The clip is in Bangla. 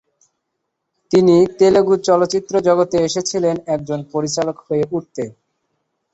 তিনি তেলুগু চলচ্চিত্র জগতে এসেছিলেন একজন পরিচালক হয়ে উঠতে।